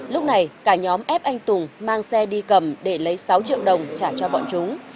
lúc này cả nhóm ép anh tùng mang xe đi cầm để lấy sáu triệu đồng trả cho bọn chúng